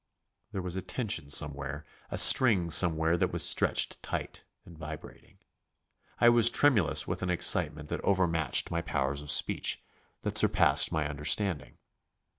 There was a tension somewhere, a string somewhere that was stretched tight and vibrating. I was tremulous with an excitement that overmastered my powers of speech, that surpassed my understanding.